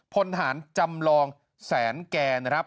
๖พนฐานจำลองแสนแก่